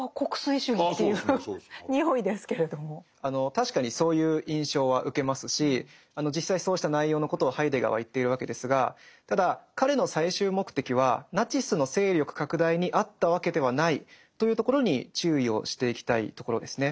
確かにそういう印象は受けますし実際そうした内容のことをハイデガーは言っているわけですがただ彼の最終目的はナチスの勢力拡大にあったわけではないというところに注意をしていきたいところですね。